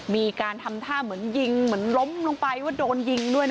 มีการทำท่าเหมือนยิงเหมือนล้มลงไปว่าโดนยิงด้วยนะ